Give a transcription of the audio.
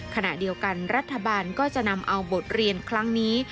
ขณะเดียวกันรัฐบาลก็จะนำเอาบทเรียนครั้งนี้